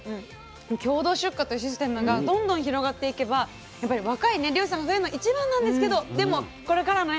共同出荷というシステムがどんどん広がっていけばやっぱり若い漁師さんが増えるの一番なんですけどでもこれからね